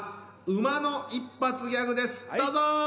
馬の一発ギャグですどうぞ！